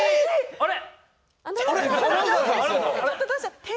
あれ？